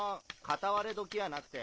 「かたわれ時」やなくて？